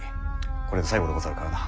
これで最後でござるからな。